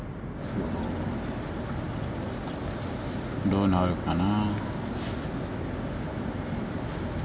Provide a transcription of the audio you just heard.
どうなるかな？